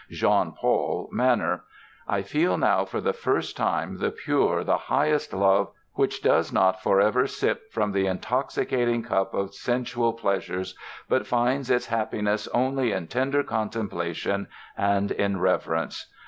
Jean Paul manner: "I feel now for the first time the pure, the highest love, which does not for ever sip from the intoxicating cup of sensual pleasures, but finds its happiness only in tender contemplation and in reverence....